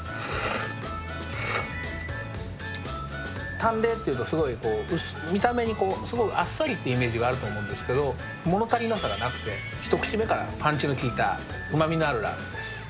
淡麗っていうと、すごい見た目にすごいあっさりというイメージがあると思うんですけれども、もの足りなさがなくて、一口目からパンチのきいたうまみのあるラーメンです。